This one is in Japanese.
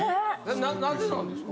なんでなんですか？